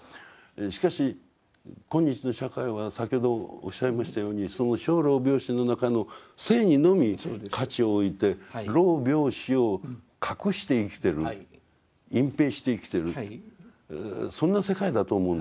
しかし今日の社会は先ほどおっしゃいましたように生老病死の中の生にのみ価値を置いて老病死を隠して生きてる隠蔽して生きてるそんな世界だと思うんですよ。